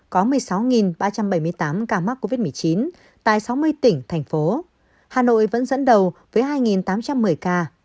có một mươi sáu ba trăm bảy mươi tám ca mắc covid một mươi chín tại sáu mươi tỉnh thành phố hà nội vẫn dẫn đầu với hai tám trăm một mươi ca